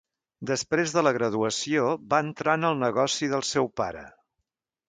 Després de la graduació, va entrar en el negoci del seu pare.